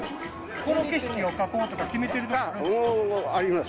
この景色を描こうとか決めてもうあります。